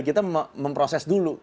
kita memproses dulu